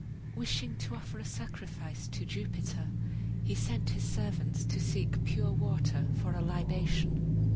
Wishing to offer a sacrifice to Jupiter, he sent his servants to seek pure water for a libation.